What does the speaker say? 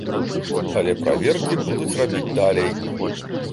Але праверкі будуць рабіць далей.